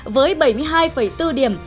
với bảy mươi hai bốn điểm